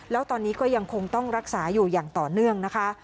แล้วตอนนี้ก็ยังคงต้องรักษาอยู่อย่างต่อเนื่องนะคะ